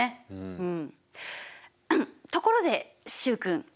うん。